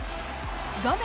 画面